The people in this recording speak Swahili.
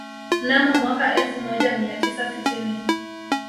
Mnamo mwaka elfu moja mia tisa sitini